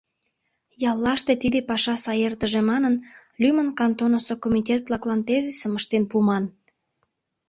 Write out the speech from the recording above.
Яллаште тиде паша сай эртыже манын, лӱмын кантонысо комитет-влаклан тезисым ыштен пуыман.